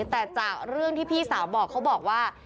แต่จากเรื่องที่พี่สาวบอกเขาบอกว่า